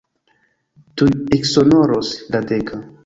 Tuj eksonoros la deka.